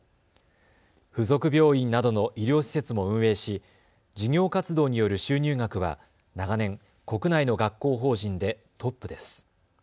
付属病院などの医療施設も運営し事業活動による収入額は長年、国内の学校法人でトップです。